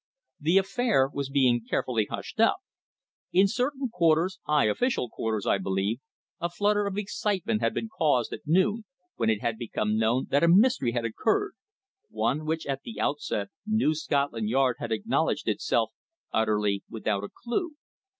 The affair was being carefully hushed up. In certain quarters high official quarters, I believe a flutter of excitement had been caused at noon, when it had become known that a mystery had occurred, one which at the outset New Scotland Yard had acknowledged itself utterly without a clue.